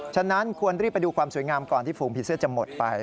ฉะนั้นควรรีบไปดูความสวยงามก่อนที่ฝูงผีเสื้อจะหมดไป